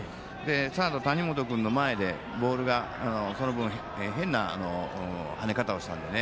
サード、谷本君の前でボールがその分変な跳ね方をしたんでね。